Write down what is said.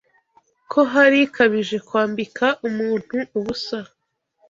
ko hari ikabije kwambika umuntu ubusa